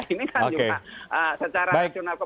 ini kan juga secara